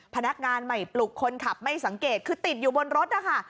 พนักงานใหม่ปลุกคนขับไม่สังเกตคือติดอยู่บนรถนะคะ